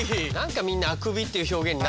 何かみんなあくびでいいのね？